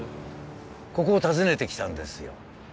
ここを訪ねてきたんですよ